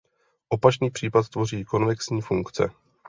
Opačný případ tvoří konvexní funkce.